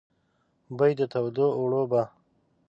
بوی د تودو اوړو به،